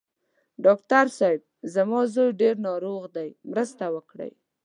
ډاکټر صېب! زما زوی ډېر ناروغ دی، مرسته وکړئ.